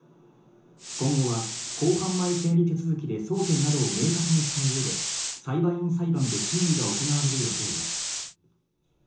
今後は公判前整理手続きで争点などを明確にした上で、裁判員裁判で審理が行われる予定です。